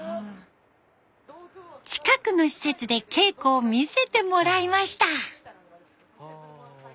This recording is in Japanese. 近くの施設で稽古を見せてもらいました。